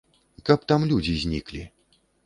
Каб там людзі зніклі.